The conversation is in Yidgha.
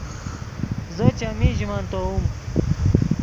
زو چیمین ژے مَنۡ تیووم